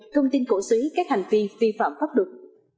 thông tin cổ suý các hành vi vi phạm pháp luật